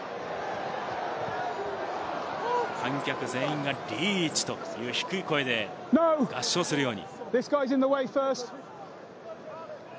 観客全員がリーチという低い声で合唱するように。